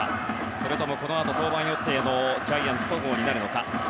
それともこのあと登板予定のジャイアンツ、戸郷か。